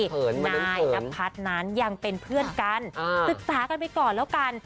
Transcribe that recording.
นายนพัฒน์นั้นยังเป็นเพื่อนกันศึกษากันไปก่อนแล้วกัน